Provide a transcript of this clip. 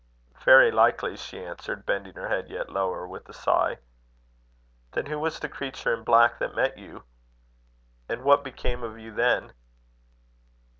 "Very likely," she answered, bending her head yet lower, with a sigh. "Then who was the creature in black that met you? And what became of you then?"